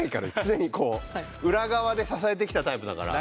常にこう裏側で支えてきたタイプだから。